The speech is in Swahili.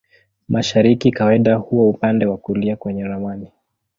Mashariki kawaida huwa upande wa kulia kwenye ramani.